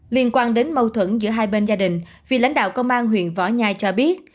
liên quan đến mâu thuẫn giữa hai bên gia đình vì lãnh đạo công an huyện võ nhai cho biết